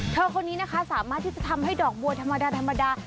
เธอคนนี้นะคะสามารถที่จะทำให้ดอกบัวธรรมดา